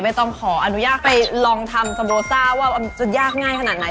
ต้องขออนุญาตไปลองทำสโบซ่าว่ามันจะยากง่ายขนาดไหน